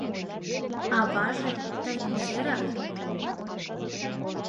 — Аваже, тый кузерак?